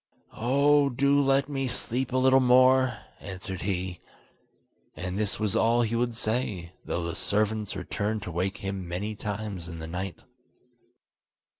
"Oh, do let me sleep a little more, answered he. And this was all he would say, though the servants returned to wake him many times in the night.